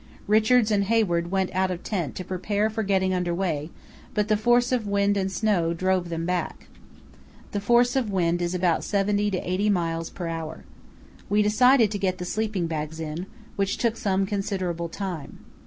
Richards and Hayward went out of tent to prepare for getting under way, but the force of wind and snow drove them back. The force of wind is about seventy to eighty miles per hour. We decided to get the sleeping bags in, which took some considerable time.